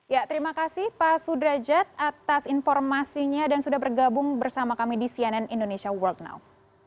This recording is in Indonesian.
ya terima kasih pak sudrajat atas informasinya dan sudah bergabung bersama kami di cnn indonesia world now